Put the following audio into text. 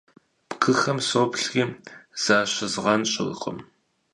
Бгыхэм соплъри защызгъэнщӀыркъым.